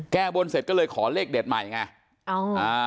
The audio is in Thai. แก้บนเสร็จก็เลยขอเลขเด็ดใหม่ไง